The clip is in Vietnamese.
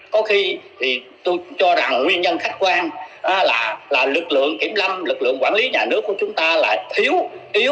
có khi thì tôi cho rằng nguyên nhân khách quan là lực lượng kiểm lâm lực lượng quản lý nhà nước của chúng ta là thiếu yếu